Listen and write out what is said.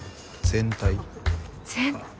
全体？